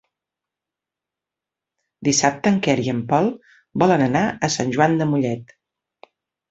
Dissabte en Quer i en Pol volen anar a Sant Joan de Mollet.